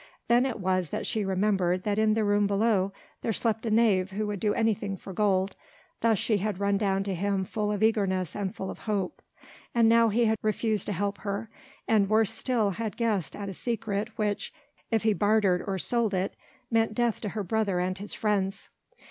Then it was that she remembered that in the room below there slept a knave who would do anything for gold. Thus she had run down to him full of eagerness and full of hope. And now he had refused to help her, and worse still had guessed at a secret which, if he bartered or sold it, meant death to her brother and his friends.